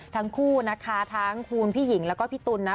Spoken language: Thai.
ทั้งคู่นะคะทั้งคุณพี่หญิงแล้วก็พี่ตุ๋นนะ